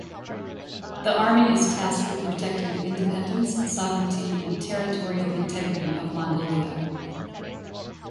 The army is tasked with protecting the independence, sovereignty, and territorial integrity of Mongolia.